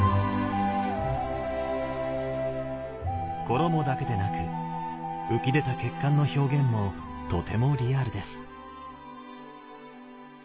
衣だけでなく浮き出た血管の表現もとてもリアルです。